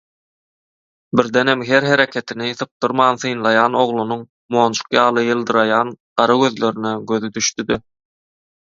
Birdenem her hereketini sypdyrman syünlaýan oglunyň monjuk ýaly ýyldyraýan gara gözlerine gözi düşdi-de